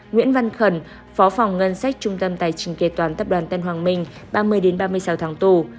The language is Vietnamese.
nguyễn văn khẩn phó phòng ngân sách trung tâm tài chính kế toán tập đoàn tân hoàng minh ba mươi ba mươi sáu tháng tù